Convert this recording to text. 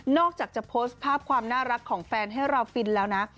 อกจากจะโพสต์ภาพความน่ารักของแฟนให้เราฟินแล้วนะ